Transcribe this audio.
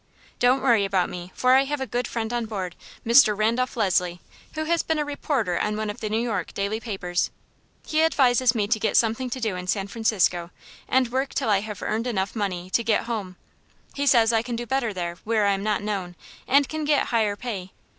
"Don't worry about me, for I have a good friend on board, Mr. Randolph Leslie, who has been a reporter on one of the New York daily papers. He advises me to get something to do in San Francisco, and work till I have earned money enough to get home. He says I can do better there, where I am not known, and can get higher pay.